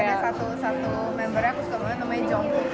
iya satu satu membernya aku suka banget namanya jungkook